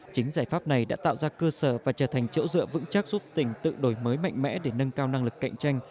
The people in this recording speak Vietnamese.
chính giải pháp này đã tạo ra cơ sở và trở thành chỗ dựa vững chắc giúp tỉnh tự đổi mới mạnh mẽ để nâng cao năng lực cạnh tranh